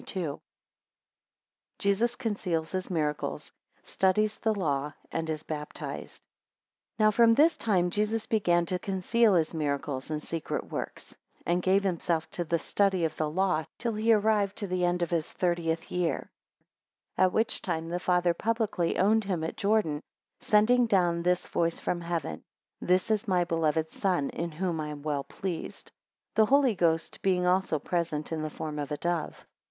1 Jesus conceals his miracles, 2 studies the law, 3 and is baptized. NOW from this time Jesus began to conceal his miracles and secret works, 2 And gave himself to the study of the law, till he arrived to the end of his thirtieth year; 3 At which time the Father publicly owned him at Jordan, sending down this voice from heaven, This is my beloved son, in whom I am well pleased; 4 The Holy Ghost being also present in the form of a dove.